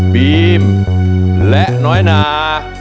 บีมและน้อยนา